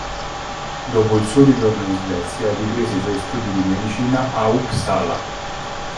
Dopo il suo ritorno in Svezia, riprese i suoi studi di medicina a Uppsala.